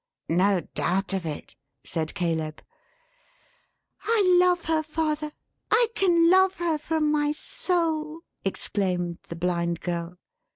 "No doubt of it," said Caleb. "I love her, father; I can love her from my soul!" exclaimed the Blind Girl.